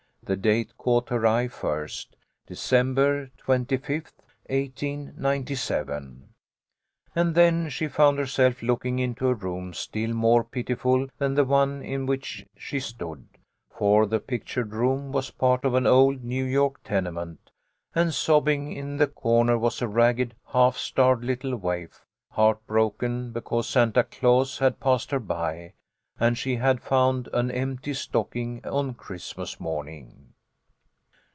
The date caught her eye first : December 25, 1897. And then she found herself looking into a room still more pitiful than the one in which she stood, for the pictured room was part of an old New York tene ment, and sobbing in the corner was a ragged, half starved little waif, heartbroken because Santa Claus had passed her by, and she had found an empty stocking on Christmas morning.